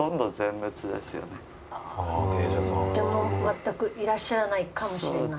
じゃあもうまったくいらっしゃらないかもしれない。